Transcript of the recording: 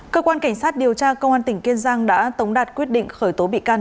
cơ quan cảnh sát điều tra công an tỉnh kiên giang đã tống đạt quyết định khởi tố bị can